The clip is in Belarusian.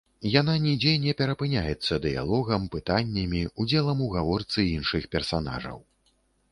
Яна нідзе не перапыняецца дыялогам, пытаннямі, удзелам у гаворцы іншых персанажаў.